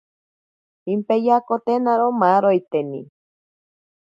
Pimpeyakotenaro maaroiteni.